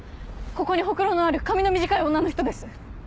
ここにホクロのある髪の短い女の人です。